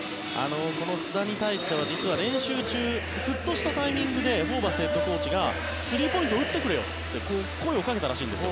須田に対しては実は練習中ふとしたタイミングでホーバスヘッドコーチがスリーポイント打ってくれよと声をかけたらしいんです。